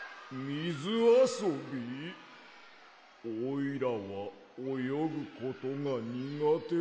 おいらはおよぐことがにがてだ。